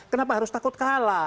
kenapa harus takut kalah